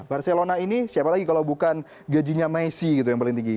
barcelona ini siapa lagi kalau bukan gajinya messi gitu yang paling tinggi